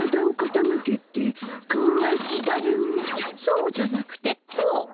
そうじゃなくてこう。